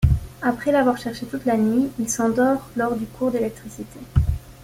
Après l'avoir cherchée toute la nuit, il s'endort lors du cours d'électricité.